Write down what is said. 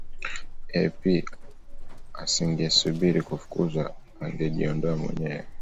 ep asingesubiri kufukuzwa angejiondoa mwenyewe